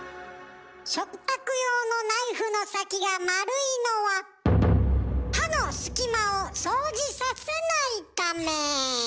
食卓用のナイフの先が丸いのは歯のすき間を掃除させないため。